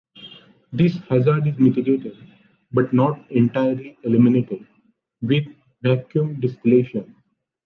This hazard is mitigated, but not entirely eliminated, with vacuum distillation.